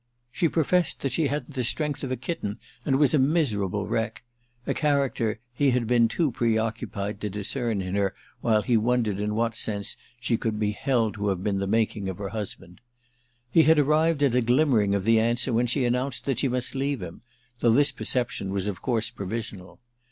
She professed that she hadn't the strength of a kitten and was a miserable wreck; a character he had been too preoccupied to discern in her while he wondered in what sense she could be held to have been the making of her husband. He had arrived at a glimmering of the answer when she announced that she must leave him, though this perception was of course provisional.